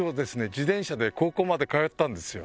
自転車で高校まで通ってたんですよ